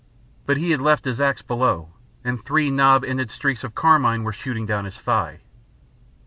But he had left his axe below, and three knob ended streaks of carmine were shooting down his thigh.